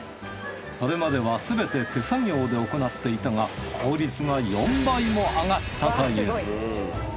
それまではすべて手作業で行っていたが効率が４倍も上がったという。